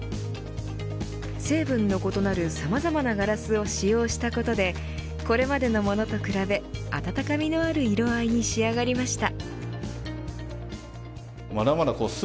成分の異なるさまざまなガラスを使用したことでこれまでのものと比べ温かみのある色合いに仕上がりました。